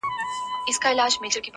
• جنګ څخه مخکي د غلامانو په توګه -